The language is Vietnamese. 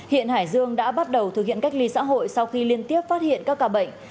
hiện hải dương đã bắt đầu thực hiện cách ly xã hội sau khi liên tiếp phát hiện các ca bệnh